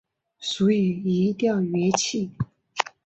属于移调乐器。